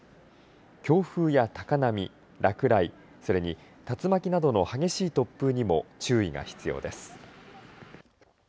強風や高波落雷それに竜巻などの激しい突風にも注意が必要です。